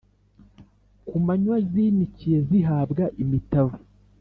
Ku manywa zinikiye zihabwa imitavu.